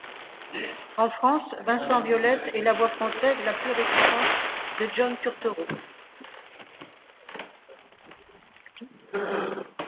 En France, Vincent Violette est la voix française la plus récurrente de John Turturro.